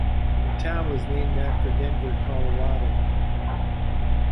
The town was named after Denver, Colorado.